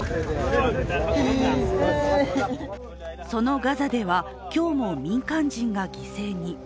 そのガザでは、今日も民間人が犠牲に。